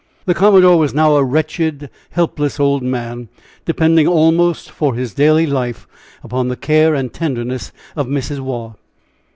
The commodore was now a wretched, helpless old man, depending almost for his daily life upon the care and tenderness of Mrs. Waugh.